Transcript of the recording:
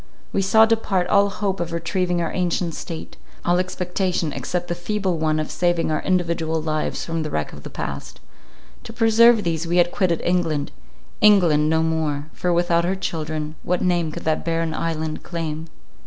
We saw depart all hope of retrieving our ancient state—all expectation, except the feeble one of saving our individual lives from the wreck of the past. To preserve these we had quitted England—England, no more; for without her children, what name could that barren island claim?